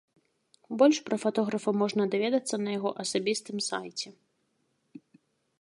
Больш пра фатографа можна даведацца на яго асабістым сайце.